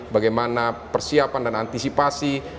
bagaimana persiapan dan antisipasi